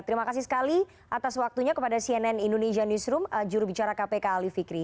terima kasih sekali atas waktunya kepada cnn indonesia newsroom jurubicara kpk ali fikri